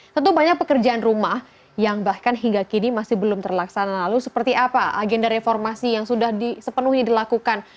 tentu banyak pekerjaan rumah yang bahkan hingga kini masih belum terlaksana lalu seperti apa agenda reformasi yang sudah sepenuhnya dilakukan